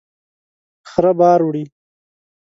خره بار وړي